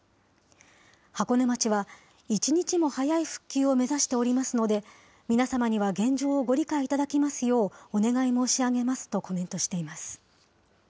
箱根町は、一日も早い復旧を目指しておりますので、皆様には現状をご理解いただきますようお願い申し上げますとコメントしています。